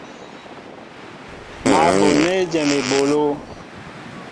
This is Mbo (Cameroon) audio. Mă ɓolnέ ejém ebolo.